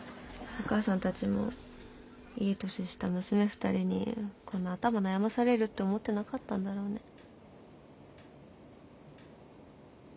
お母さんたちもいい年した娘２人にこんな頭悩ませられるって思ってなかったんだろうね。